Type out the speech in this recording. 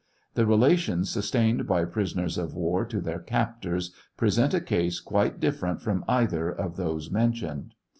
The relations sustained by prisoners of war to their captors present a case quite different fi om either of those mentioned.